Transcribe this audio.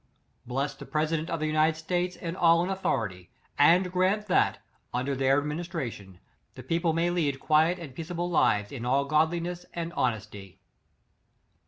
Bless the president of the United States, and all in authority; and grant that, under their ad ministration, the people may lead quiet and peaceable lives in all godliness and honesty.